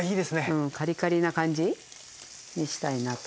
うんカリカリな感じにしたいなと。